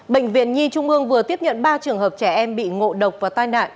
bệnh viện nhi trung ương vừa tiếp nhận ba trường hợp trẻ em bị ngộ độc và tai nạn